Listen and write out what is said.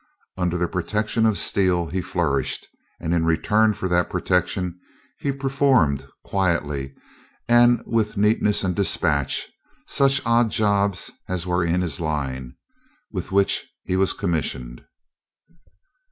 Under the protection of Steel he flourished, and in return for that protection he performed, quietly and with neatness and despatch, such odd jobs as were in his line, with which he was commissioned.